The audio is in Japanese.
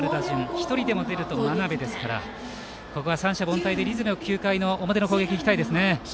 １人でも出れば真鍋に回るのでここは三者凡退でリズムよく９回の表の攻撃にいきたいですね。